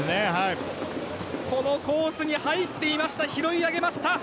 このコースに入っていました拾い上げました。